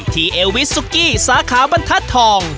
ที่เอวิสสุกี้สาขาบรรทัดทอง